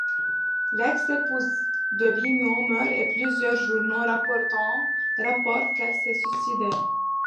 L'ex-épouse de Bimyō meurt et plusieurs journaux rapportent qu'elle s'est suicidée.